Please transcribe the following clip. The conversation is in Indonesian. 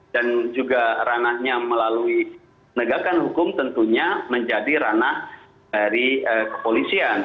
dan juga ranahnya melalui penegakan hukum tentunya menjadi ranah dari kepolisian